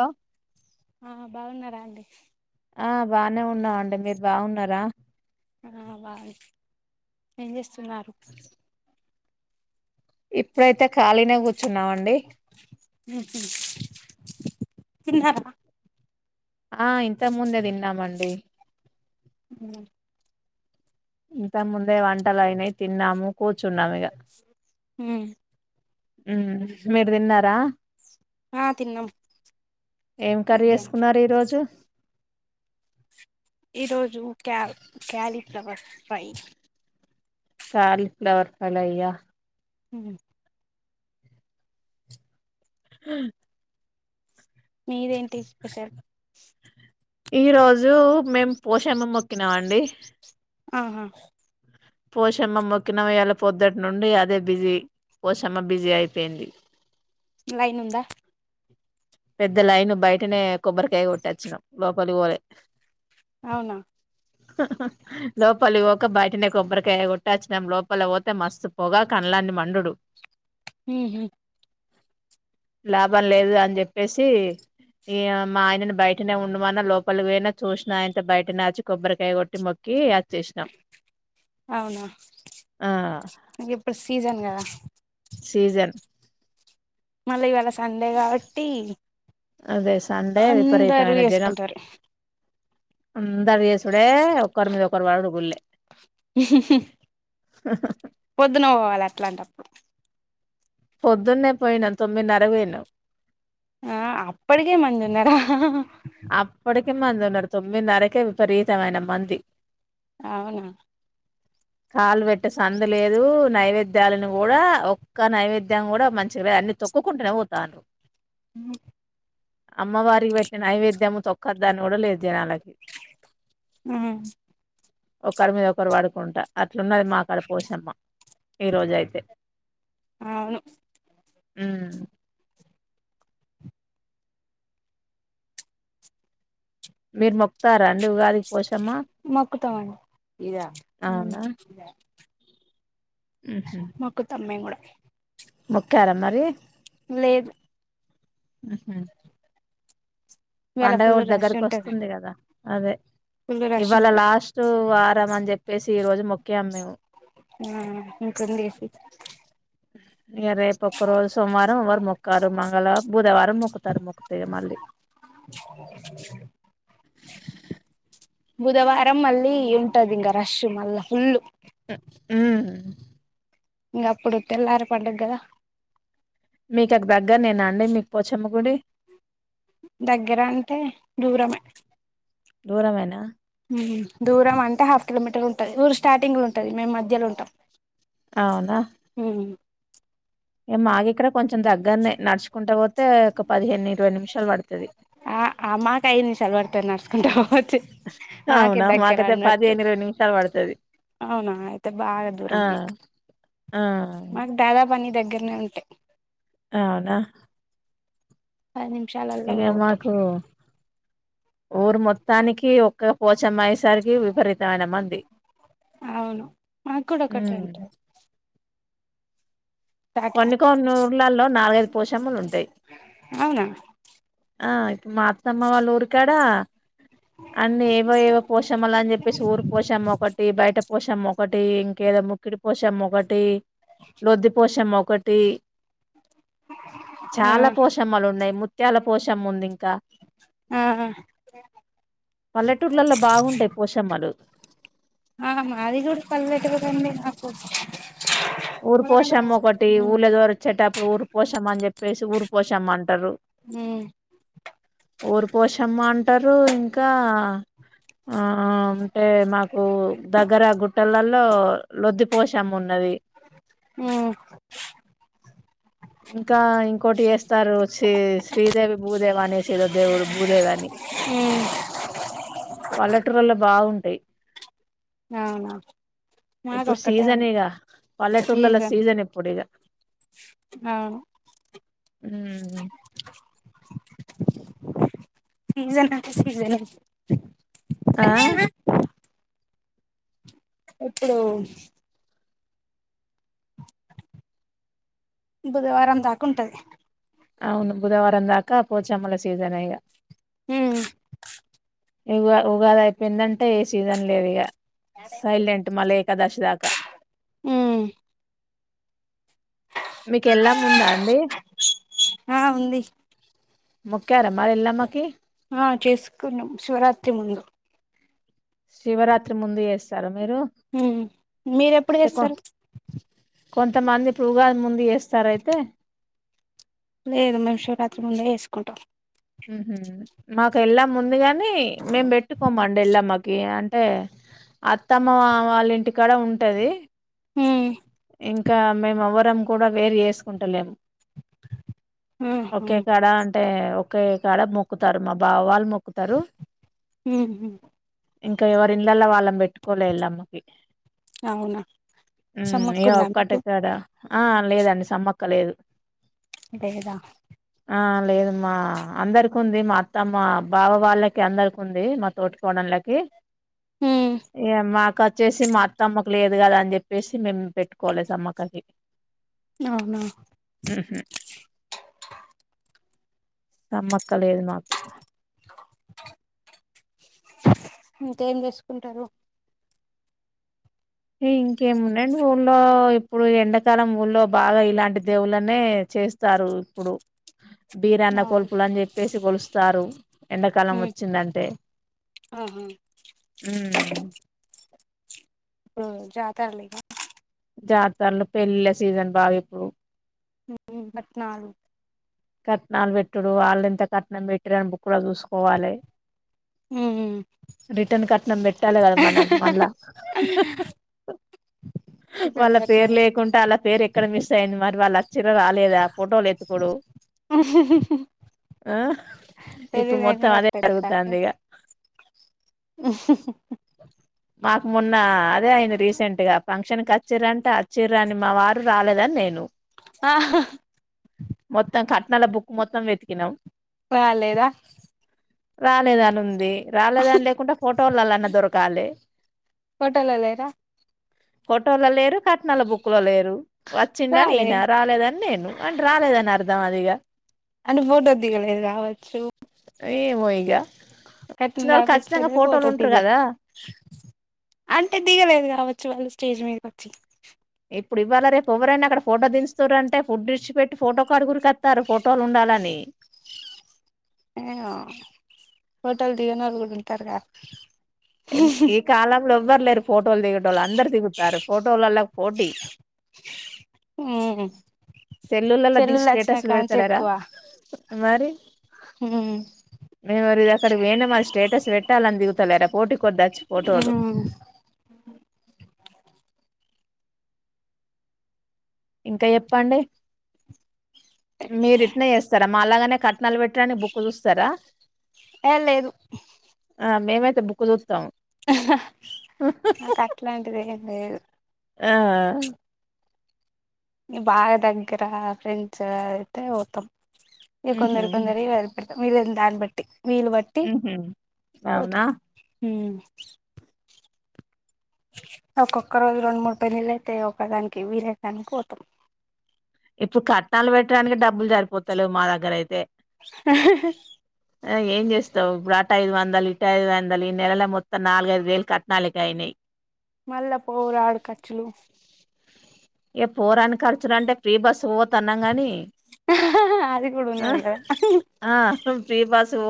అ ఆ బావున్నారా అండి. ఆ బానే ఉన్నాం అండి మీరు బావున్నారా. ఆ బావ్ ఏంచెస్ సున్నారు ఇప్పుడైతే ఖాళీనే కూచ్చున్నామండి. ఉహు, తిన్నార ఆ ఇంతముందే తిన్నామండి. హు ఇంతా ముందే వంటలైనయ్ తిన్నాము. కూచ్చున్నాం ఇగ ఉమ్, ఉ మీరు తిన్నారా. ఆ తిన్నాం ఏం కర్రి మధ్యాహ్నం ఏసుకున్నారు ఈ రోజు. ఈ రోజు క్యా క్యాలి ప్లవర్ ఫ్రై కాలీఫ్లవర్ పళయ్యా. హు హ్ మీరేంటి పెషల్ ఈ రోజు మేము పోషమ్మ మొక్కినామండి. ఆహా పోషమ్మ మొక్కినం ఇయళ పొద్దుట్నుండి అదే బిజీ పోషమ్మ బిజీ అయిపెయింది. లైనుంద పెద్ద లైన్ బయటనే కొబ్బరికాయ కొట్టొచ్చినాం లోపలి పోలే. అవునా లోపలి పోక బయటనే కొబ్బరికాయ కొట్టొచ్చినం, లోపలి పోతే మస్తు పొగ కంల్లని మండుడు. హుహు లాభం లేదు అని జె ప్పేసి, ఇయ మా ఆయనను బయటనే ఉండుమన్న లోపలి పోయ్న చూస్నయంట బయటనే వచ్చి కొబ్బరికాయ కొట్టి మొక్కి అ అవునా, ఆ ఇం ఇప్పుడు సీజన్ కదా. సీజన్ మళ్ళీ ఇవాళ సండే కావట్టి అదే సండే విపరీతమైన జనం చేసుకుంటారు అందరు చేసుడే ఒకరి మీద ఒకరు పడుడు గుళ్ళె పొద్దున పోవాలె అట్లాంట పొద్దున్నే పోయినాను తొమ్మిదిన్నరకు పొయినాం ఆ అప్పటికే మంది ఉన్నారా అప్పటికే మంది ఉన్నరు తొమ్మిదిన్నరకే విపరీతమైన మంది అవునా కాళ్లు పెట్టే సందు లేదు నైవేద్యాలను కూడా ఒక్క నైవేద్యం కూడా మంచిగలే అన్ని తొక్కుకుంటూనే పోతాండ్రు ఉమ్ అమ్మవారికి పెట్టిన నైవేద్ ద్దము తొక్కొదు అని కూడా లేదు జనాలకి ఉమ్మ్ ఒకరి మీద ఒకరు పడుకుంటా అట్లున్నది మా కాడ పోసమ్మ ఈ రోజైతే అవును ఉమ్మ్ మీరు మొక్ తారా మొక్కుతమండి ఉమ్మ్ అవునా? మొక్కుతాం మేము కూడా మొక్తారా మరి లేదు ఉహు ఇవాళ పండుగ ఫుల్ ఒకటి రష్ ఉంటది దగ్గరకొస్తుంది కదా అదే ఫుల్ రష్ ఇవాళ ఉంటది లాస్ట్ వారం అని చెప్పేసి ఈ రోజు మొక్కాం మేము ఆ ఇంకుందిసి అ ఇయ రేపు ఒక్క రోజు సోమవారం వరు మొక్కారు మంగళ బుధవారం మొక్కుతారు మొక్కుతే మళ్ళీ బుధవారం మళ్ళీ ఉంటదింగ రష్ మళ్ళ ఫుల్లు ఉమ్మ్ ఇంగ అప్పుడు తెల్లారు పండుగ కదా మీకు అటు దగ్గరనేనా అండి మీకు పోచమ్మ గుడి దగ్గర అంటే దూరమే దూరమేనా దూరం అంటే హాఫ్ కిలోమీటర్ ఉంటది ఊరు స్టార్టింగ్ లో ఉంటుంది మేము మధ్యలో ఉంటాం అవునా ఇగ మాకిక్కడ కొంచెం దగ్గరనే నడుచుకుంట పోతే ఒక పదిహేను ఇరవై నిమిష్ [unintelligible] ఆ మాకు అయింది సల పడతారు నడుచుకుంటా పోవచ్చు మాక అవునా! దగ్గర మాకైతే అడిన్నట్టు నిమిషాలు పడతది. అవునా అయితే బాగా ఆ! దూరం మీకు ఆ! మాకు దాదాపు అన్నీ దగ్గర దగ్గరనే ఉంటాయి అవునా పది నిమిషాలల్లో ఇగ పోతం మాకు ఊరు మొత్తానికి ఒక్క పోచమ్మాయిసరికి విపరీత మైన మంది అవును మాకు కూడా ఒకటే ఉంటది స్టార్టింగ్ కొన్ని కొనూర్లలో నాలుగైదు పోషమ్మలు ఉంటాయి అవునా ఆ ఇప్పు మాత్తమ్మ వాళ్ళఊరుకా డ అన్నీ ఏవో ఏవో పోషామల అని చెప్పేసి ఊరు పోసామ ఒకటి బయట పోషమ్మ ఒకటి ఇంకేదో ముక్కిడి పోశమ్మ ఒకటి లోధి పోషమ్మ మ ఒకటి ఆ చాలా పోషమ్మలు ఉన్నాయి ముత్యాల పోషమ్మ ఉంది ఇంకా ఆ పల్లెటూళ్లలో బాగుంటాయి పోషమ్మలు ఆ మాదికూడా పల్లెటూరె అండి నాకు ఊరు పోషామ్మ ఒకటి ఊళ్ళ ద్వర వచ్చేట ఇప్పుడు ఊరు పోసామ్మ అని చెప్పేసి ఊరి పోసామ్మ అంటారు అ ఊరి పోషమ్మ అంటారు ఇంకా ఆ అంటే మాకు దగ్గర గుట్టలలో లొద్ది పోషమ్మ ఉన్నది మ్ ఇంకా ఇంకోటి చేస్తారు శీ శ్రీదేవి భూదేవా అనే సీదో దేవుడు భూదేవాని ఉమ్ పల్లెటూరులో బాగుంటాయి అవునా మాకు ఇప్పుడు ఒక్కటే సీజన్ ఉంది ఇగ పల్లెటూళ్లలో సీజన్ ఇప్పుడిగ అవును అ ఓకే సీజన్ అంట సీజన్ అ ఆ ఎప్పుడు బుధవారం దాకా ఉంటది అవును బుధవారం దాకా పోచ్చమ్మల సీజన్ అయగా మ్మ్ ఇ ఉగాది అయిపోయిందంటే ఏ సీజన్ లేదు ఇక సైలెంట్ మల ఏకాదశి దాకా ఉమ్ మీకు ఎల్లమ్మ ఉందా అండి ఆ ఉంది మొక్కర మరీ ఎల్లమ్మకి ఆ చేసుకున్నాం శివరాత్రి ముందు శివరాత్రి ముందు చేస్తార మీరు ఉమ్ మీరెప్పుడు తే కో చేస్తారు కొంతమంది ఉగాది ముందు చేస్తారా అయితే లేదు మేము శివరాత్రి ముందే చేసుకుంటాం హు మాకు ఎల్లమ్మ ఉందిగానీ కానీ మేం పెట్టుకోమండి ఎల్లమ్మకి అన్ ఏ అత్తమ్మ వా వాళ్ల ఇంటి కాడ ఉంటది హు ఇంకా మేము ఎవరం కూడా వేరు వేసుకుంటలేము ఆహా ఒకే కాడ అంటే ఒకే కాడ మొక్కుతారు మా బావ వాళ్ళు మొక హుహు ఇంకా ఎవరి ఇన్ లల్లా వాళ్ళం పెట్టి కోల ఎల్లమ్మకి అవునా యూ మేం సమ్మక్కుందా మీకు ఒక్కటి కాడ ఆ లేదండి సమ్మక్క లేదు లేేదా ఆ లేదమ్మా అందరికి ఉంది మా అత్తమ్మ బావ వాళ్ళకి అందరికి ఉంది మా తోటి కోడళ్ళకి ఉమ్ ఏ మాక్ క్కచ్చే సి మా అత్తమ్మకు లేదు గదా అని జెప్పేసి మేము పెట్టుకోలే సమ్మక్క కి అవునా ఊ హు సమ్మక్క లేదు మాకు ఇంకేం చేసుకుంటారు ఈ ఇంకేమున్నది ఊళ్లో ఇప్పుడు ఎండకాలం ఊల్లో బాగా ఇలాంటి దేవుళ్లనే చేస్తారు ఇప్పుడు బీరన్న ఆ కొల్పులు అని జెప్పేసి కొలుస్ చారు ఎండకాలం ఉమ్ ఓచ్చిందంటే ఆహా ఊ ఊ జాతర్లుగా జాతర్లు పెళ్లిళ్ల సీజన్ల బాగా ఇప్పుడు ఉ ఉ పట్నాలు కట్నాలు పెట్టుడు వాళ్ళింత కట్నం పెట్టిండ్రని బుక్కుల్లో చూసుకోవాలి రిటన్ కట్నం పెట్టాలి కదా మనం మల్ల హాహా ఇట్లాంటి వాళ్ళ పేరు కట్నాలు లేకుంటే వాళ్ల పేరు ఎక్కడ మిస్ అయింది మరి వాళ్ళ చిరా రాలేదా ఫోటోలు ఎత్కుడు హాహా పెళ్లి ఇప్పుడు మొత్తం లైనోళ్లు అదే అట్లే ఎతకాలి జరుగుతాంది ఇగ హహ్ మాకు మొన్న అదే అయ్యింది రీసెంట్ గా ఫంక్షన్ కి వచ్చిర్రా అంటే అచ్చిరని మా వారు రాలేదని నేను ఆ హ మొత్తం కట్నాల బుక్ మొత్తం వెతికినము రా లేదా రాలేదని ఉందీ రాలేదని లేకుంటే ఫోటోలలన దొరకాలే పోటోల లేరా పోటోల లేరు కట్నాల బుక్కు లో లేరు వచ్చిండని రాలే ఈన రాలేదని నేను అని రాలేదని అర్ దా అదిగా అని ఫోటో దిగలేదు గావచ్చు ఏమోయిగ కట్నం రాపిచ్చలే ఫోటో ఉంటరు దిగలే కదా అంటే దిగలేదు కావచ్చు వాళ్ళు స్టేజ్ మీదికొచ్చి ఇప్పుడు ఇవాళ రేపు ఎవరైన అక్కడ ఫోటో దించు తూరంటే ఫుడ్ ఇడిసి పెట్టి ఫోటో కాడికి ఉరికత్తా రు ఫోటోలు ఉండాలని ఏ ఓ పోటోల్ దిగానోళ్ళు కూడా ఉంటరు గద ఎన్ ఈ కాాలము ఏవ్వరు లేరు ఫోటోలు దిగటోళ్ళు అందరు దిగుతారు ఫోటోలల్ల పోటీ ఉమ్ సెల్లలలో ది సెల్లులు వచ్చిన స్టేటస్లు కాంచి పెడతలేరాా ఎక్కువ మరి ఉమ్ మేమురి ఇది అక్కడి వెనా మరి స్టేటస్ పెట్టాలని దిగుతలేరా పోటీ కొద్దచ్చ ఫోటోలు ఉమ్ ఇంకా చెప్పండి మీరి ఇట్లనే చేస్తారా మా అలాగానే నలబెట్టని బుక్ చూస్తారా ఏ లేదు ఆ మేమైతే బుక్కు చుత్తం నాకు అట్లాంటిది ఏం లేదు ఆ న బాగా దగ్గర ఫ్రెండ్స్ అయితే పోతాం ఇ మ్హూ, కొందరి కొందరి ఇ పెత మీరుందాన్ పట్టి వీలు బట్టి మ్హూ. పోతం అవునా [unintelligible] ఒక్కొక్క రోజు రెండు మూడు పెన్నళ్ళైతే ఒకదానికి వీర దానికి పోతాం ఇప్పుడు కట్నాలు పెట్టడానికి డబ్బులు సరిపోతలేవు మా దగ్గర అయితే [unintelligible] ఏం చేస్తావు ఇప్పుడు అట ఐదు వందలు ఇటు ఐదు వందలు ఈ నెలల మొత్తం నాలుగైదు వేలు కట్టనాలకే అయినాయి మళ్ళ పోరు ఆడు కచ్చులు ఏ పోరాన్ ఖర్చులంటే అంటే ఫ్రీ బస్ పో తన్నా కాని అది కూడా ఉన్నది కదా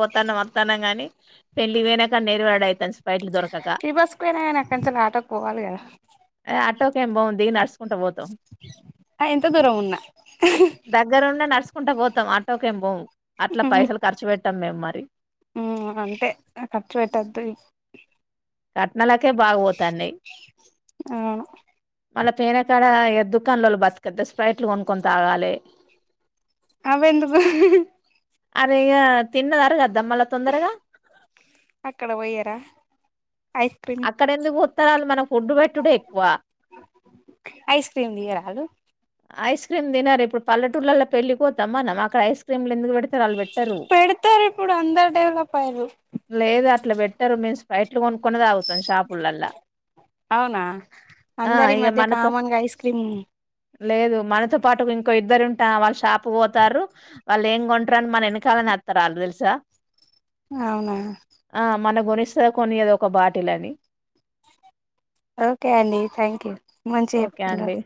పోతాను వస్తాన గానీ పెళ్లి ఇ పోయినా కానీ నెరవాడ అవుాను బైలు దొరక టీ బస్కు పోయినా కానీ అక్కంచ ఆటోకి పోవాలి కదా ఉంట బ ఆ ఎంత దూరం ఉన్నా కుం పోతాం ఆటోకెంబం హ్మ్ అంటే ఖర్చు పెట్టద్దు తట్ నలాకే బాగ పోతాండి అవును మళ్ళా పేనకాడ దుకాణంలోళు బతకద్ద స్ప్రైట్లు కొనుకొని తాగాలి అ ఎందుకు అదే తిన్నదర కదు అక్కడ పోయ్యరా ఐస్క్రీమ్ అక్కడెందుకు ఉత్తరాలు మనకు ఫుడ్డు పెట్టుడ ఎక్కువ ఐస్ క్రీమ్ తీయరాలు ఐస్ క్రీమ్ తినారు ఇప్పు పల్లటూళ్లలో పళ్లిపోతాం మనం అక్కడ ఐ కీమ్లు ఎందుకు పె పెడతారు ఇప్పుడు అందరు డెవలప్ అయారు బైట్లు కొనుక్క్కొని తాగుతాం షాపులలా అవునా అందరి ఇగ మధ్య మనతో కామన్గా ఐస్ క్రీమ్ లేదు మనతో పాటు ఇంకో ఇద్దరుంట వాళ్ళు షాప్ పోతారు వాళ్ళు ఏం కొంటారుని మన వెనకాలని వస్తారు వాళ్ళు తెలుసా అవునా గునిస్తా కొనేద ఒక బాటిల్ అని ఓకే అండి థ్యాంక్ యూ మంచిగా ఓకే చెప్తున్నారు అండి.